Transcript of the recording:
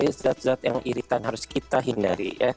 itu zat zat yang iritan harus kita hindari ya